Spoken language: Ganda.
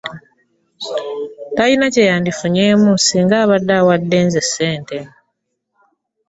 Talina kye yandifunyemu singa abadde awadde nze ssente.